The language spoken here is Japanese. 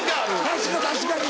確かに確かに。